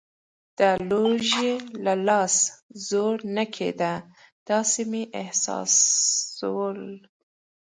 د لوږې له لاسه زور نه کېده، داسې مې احساسول.